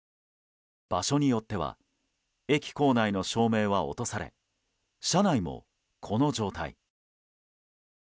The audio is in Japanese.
場所によっては駅構内の照明は落とされ、車内もこの状態。